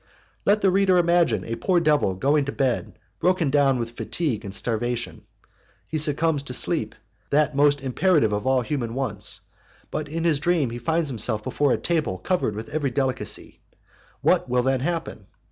Let the reader imagine a poor devil going to bed broken down with fatigue and starvation; he succumbs to sleep, that most imperative of all human wants, but in his dream he finds himself before a table covered with every delicacy; what will then happen?